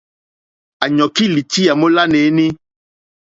À yɔ̀kí ìtyá mólánè éní.